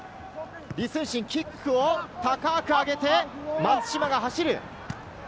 李承信、キックを高く上げて、松島が走る。